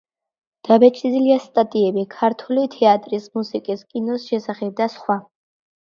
დაბეჭდილია სტატიები ქართული თეატრის, მუსიკის, კინოს შესახებ და სხვა.